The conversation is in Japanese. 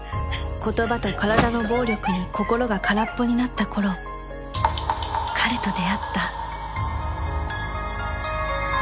言葉と体の暴力に心が空っぽになった頃彼と出会った